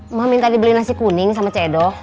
emak minta dibeli nasi kuning sama cik edo